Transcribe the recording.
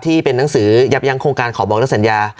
หนังสือยับยั้งโครงการขอบองและสัญญา